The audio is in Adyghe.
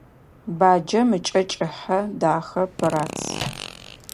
Баджэм ыкӏэ кӏыхьэ, дахэ, пырац.